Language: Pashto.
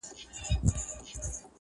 رند به په لاسو کي پیاله نه لري٫